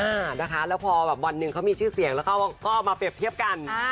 อ่านะคะแล้วพอแบบวันหนึ่งเขามีชื่อเสียงแล้วเขาก็เอามาเปรียบเทียบกัน